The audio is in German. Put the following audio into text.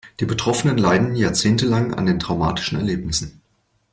Die Betroffenen leiden oft jahrzehntelang an den traumatischen Erlebnissen.